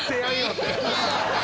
って。